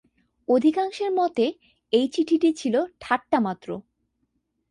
অধিকাংশের মতে, এই চিঠিটি ছিল ঠাট্টা মাত্র।